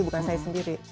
bukan saya sendiri